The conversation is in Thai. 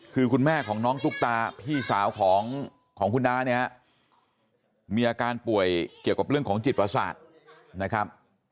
คือคุณแม่ของน้องตุ๊กตาพี่สาวของคุณน้าเนี่ยมีอาการป่วยเกี่ยวกับเรื่องของจิตประสาทนะครับ